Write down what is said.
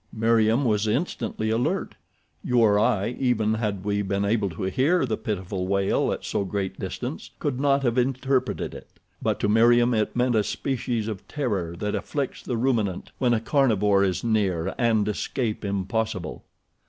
Meriem was instantly alert. You or I, even had we been able to hear the pitiful wail at so great distance, could not have interpreted it; but to Meriem it meant a species of terror that afflicts the ruminant when a carnivore is near and escape impossible.